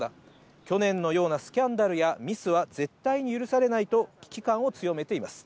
去年のようなスキャンダルやミスは絶対に許されないと危機感を強めています。